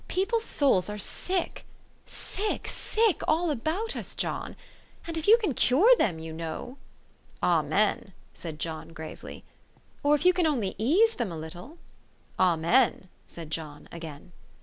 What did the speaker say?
People's souls are sick sick^ sick all about us, John. And if you can cure them, you know" " Amen !" said John gravely. u Or if you can only ease them a little ''" Amen !" said John again.